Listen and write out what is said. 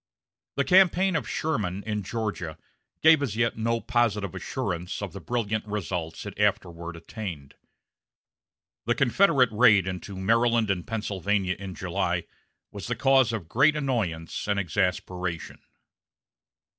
The campaign of Sherman in Georgia gave as yet no positive assurance of the brilliant results it afterward attained. The Confederate raid into Maryland and Pennsylvania in July was the cause of great annoyance and exasperation.